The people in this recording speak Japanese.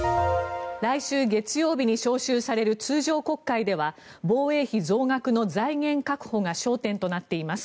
来週月曜日に召集される通常国会では防衛費増額の財源確保が焦点となっています。